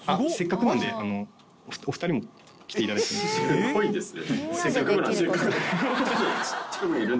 すごいですね。